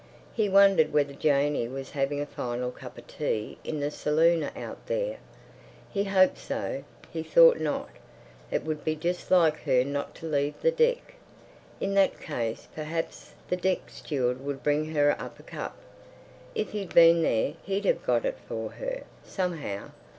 He wondered whether Janey was having a final cup of tea in the saloon out there. He hoped so; he thought not. It would be just like her not to leave the deck. In that case perhaps the deck steward would bring her up a cup. If he'd been there he'd have got it for her—somehow.